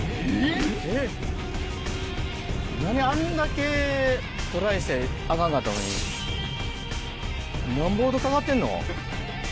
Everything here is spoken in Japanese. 何、あんだけトライして上がんなかったのに、なんぼほどかかってるの？